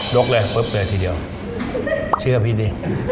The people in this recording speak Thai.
กเลยปุ๊บเลยทีเดียวเชื่อพี่ดิ